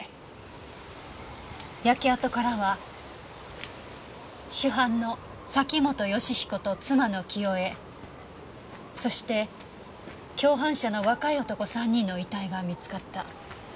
焼け跡からは主犯の崎本善彦と妻の清江そして共犯者の若い男３人の遺体が見つかった。